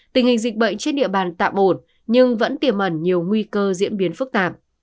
tình hình dịch bệnh trên địa bàn tạm ổn nhưng vẫn tiềm ẩn nhiều nguy cơ diễn biến phức tạp